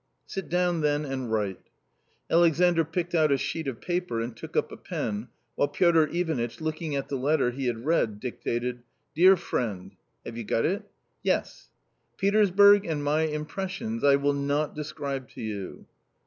" Sit down then and write." Alexandr picked out a sheet of paper, and took up a pen, while Piotr Ivanitch, looking at the letter he had read, dictated :—" Dear friend— have you got it ?" "Yes." " Petersburg and my impressions I will not describe to you."